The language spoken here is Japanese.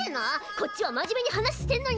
こっちは真面目に話ししてんのに！